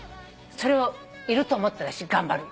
それをいると思って私頑張る。